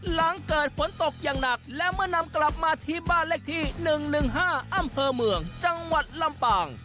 หลังเกิดฝนตกอย่างหนักและเมื่อนำกลับมาที่บ้านเลขที่๑๑๕อำเภอเมืองจังหวัดลำปาง